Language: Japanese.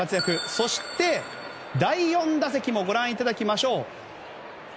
そして、第４打席もご覧いただきましょう。